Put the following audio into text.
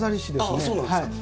ああそうなんですか。